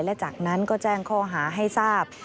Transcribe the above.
และจากนั้นก็แจ้งข้อหาให้ทราบ